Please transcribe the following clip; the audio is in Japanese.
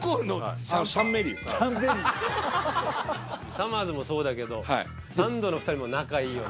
さまぁずもそうだけどサンドの２人も仲いいよね。